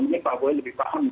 mungkin pak boy lebih paham